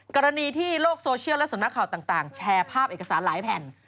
กรณีที่โลกโซเชียลและสำนักข่าวต่างแชร์ภาพเอกสารหลายแผ่น